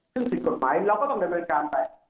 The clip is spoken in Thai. ซึ่งสิ่งกฎหมายเราก็ต้องเป็นบริการไป